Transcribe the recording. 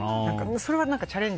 それは、何かチャレンジ。